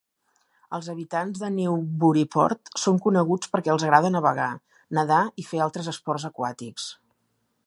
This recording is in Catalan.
Els habitants de Newburyport són coneguts perquè els agrada navegar, nedar i fer altres esports aquàtics.